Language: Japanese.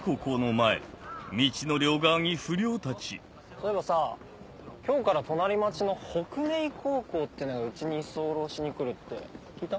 そういえばさ今日から隣町の北根壊高校ってのがうちに居候しに来るって聞いた？